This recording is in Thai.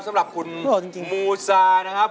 สำหรับคุณมูซานะครับ